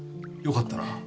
よかったな。